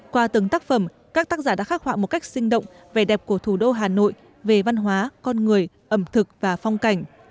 qua từng tác phẩm các tác giả đã khắc họa một cách sinh động vẻ đẹp của thủ đô hà nội về văn hóa con người ẩm thực và phong cảnh